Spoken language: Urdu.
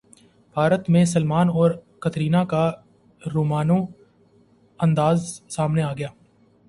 بھارت میں سلمان اور کترینہ کا رومانوی انداز سامنے اگیا